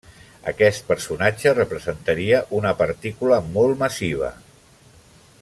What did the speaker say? Aquest personatge representaria una partícula molt massiva.